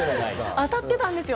当たってたんですよ。